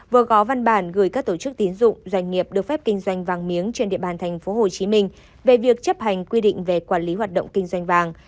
vừa có văn bản gửi các tổ chức tín dụng doanh nghiệp được phép kinh doanh vàng miếng trên địa bàn tp hcm về việc chấp hành quy định về quản lý hoạt động kinh doanh vàng